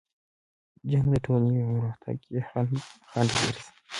جنګ د ټولنې په پرمختګ کې خنډ ګرځي.